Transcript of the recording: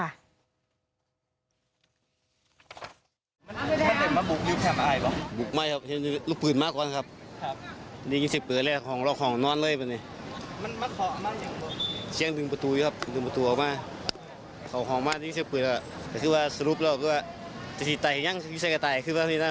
ออกไปก็ตายอยู่ในห้องก็ตายสุดท้ายแล้วเขาจะคืนเราทีหน้า